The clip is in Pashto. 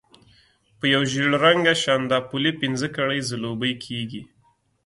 په یو ژېړ رنګه شانداپولي پنځه کړۍ ځلوبۍ کېږي.